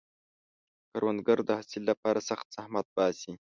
کروندګر د حاصل لپاره سخت زحمت باسي